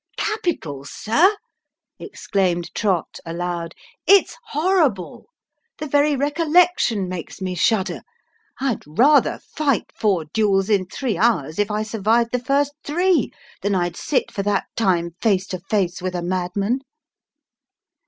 " Capital, sir !" exclaimed Trott, aloud, " it's horrible. The very recollection makes me shudder. I'd rather fight four duels in three hours, if I survived the first three, than I'd sit for that time face to face with a madman."